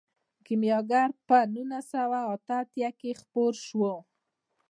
کیمیاګر په نولس سوه اته اتیا کې خپور شو.